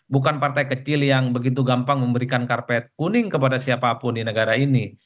bukan partai kecil yang begitu gampang memberikan karpet kuning kepada siapapun di negara ini